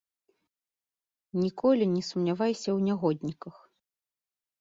Ніколі не сумнявайся ў нягодніках.